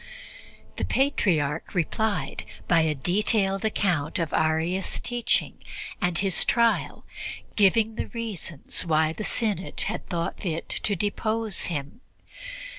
The Patriarch replied by a detailed account of Arius' teaching and his trial, giving the reasons why the Synod had thought fit to depose him.